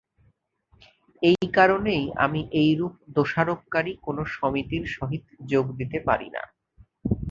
এই কারণেই আমি এইরূপ দোষারোপকারী কোন সমিতির সহিত যোগ দিতে পারি না।